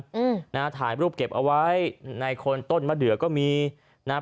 อืมนะฮะถ่ายรูปเก็บเอาไว้ในคนต้นมะเดือก็มีนะฮะ